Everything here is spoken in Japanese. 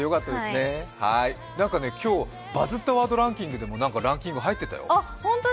なんかね、今日「バズったワードランキング」でもランキングに入ってたよ。